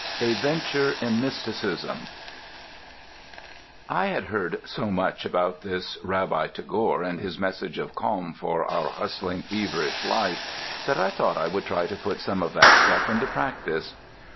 A VENTURE IN MYSTICISM I had heard so much about this Rabbi Tagore and his message of calm for our hustling, feverish life, that I thought I would try to put some of that stuff into practice.